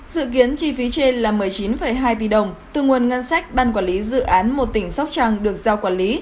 dự kiến chi phí trên là một mươi chín hai tỷ đồng từ nguồn ngân sách ban quản lý dự án một tỉnh sóc trăng được giao quản lý